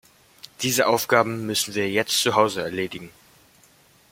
Diese Aufgaben müssen wir jetzt zu Hause erledigen.